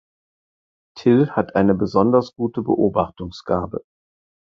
Till hat eine besonders gute Beobachtungsgabe.